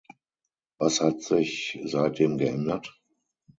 Was hat sich seitdem geändert?